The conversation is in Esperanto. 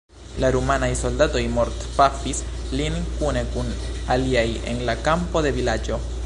La rumanaj soldatoj mortpafis lin kune kun aliaj en la kampo de vilaĝo.